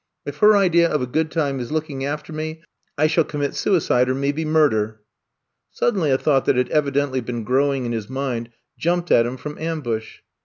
If her idea of a good time is looking after me, I shall commit suicide or maybe mur der. Suddenly a thought that had evidently been growing in his mind, jumped at him from ambush.